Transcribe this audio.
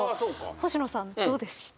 星野さんどうでした？